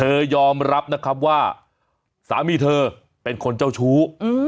ยอมรับนะครับว่าสามีเธอเป็นคนเจ้าชู้